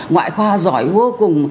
ngoại khoa giỏi vô cùng